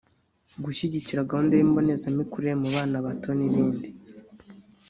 gushyigikira gahunda y’imbonezamikurire mu bana bato n’ibindi